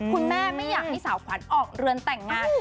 คุณแม่ไม่อยากให้สาวขวัญออกเรือนแต่งงาน